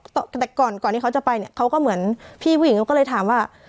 แต่ก่อนก่อนที่เขาจะไปเนี่ยเขาก็เหมือนพี่ผู้หญิงเขาก็เลยถามว่า